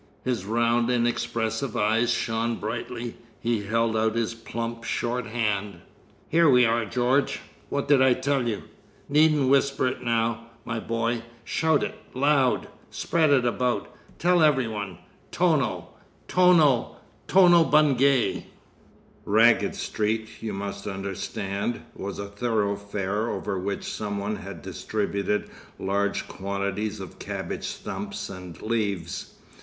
His round inexpressive eyes shone brightly. He held out his plump short hand. "Here we are, George! What did I tell you? Needn't whisper it now, my boy. Shout it—loud! spread it about! Tell every one! Tono—TONO—, TONO BUNGAY!" Raggett Street, you must understand, was a thoroughfare over which some one had distributed large quantities of cabbage stumps and leaves.